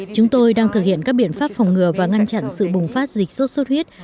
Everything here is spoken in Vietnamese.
chúng tôi đang thực hiện các biện pháp phòng ngừa và ngăn chặn sự bùng phát dịch sốt xuất huyết